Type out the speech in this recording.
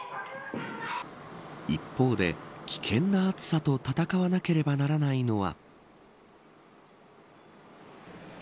一方で、危険な暑さと戦わなければならないのは。